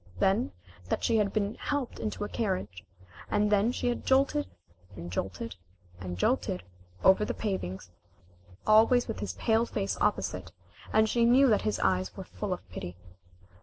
Then that she had been helped into a carriage, and then she had jolted and jolted and jolted over the pavings, always with his pale face opposite, and she knew that his eyes were full of pity.